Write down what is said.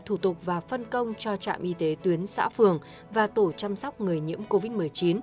thủ tục và phân công cho trạm y tế tuyến xã phường và tổ chăm sóc người nhiễm covid một mươi chín